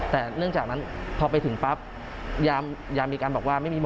แต่เนื่องจากนั้นพอไปถึงปั๊บยามมีการบอกว่าไม่มีหมอ